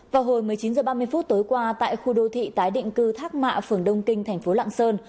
vào hồi một mươi chín h ba mươi phút tối qua tại khu đô thị tái định cư thác mạ phường đông kinh thành phố lạng sơn